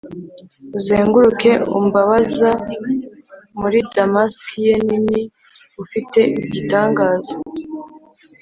uzenguruke umbabaza muri damask ye nini. 'ufite igitangaza